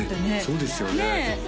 そうですよねねえ